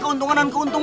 dan juga dominan